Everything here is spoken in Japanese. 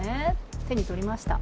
手に取りました。